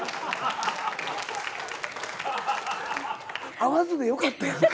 会わずでよかったやんか。